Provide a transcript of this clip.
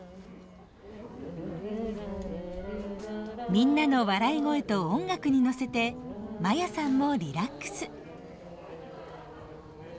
みんなの笑い声と音楽にのせてまやさんもリラックス。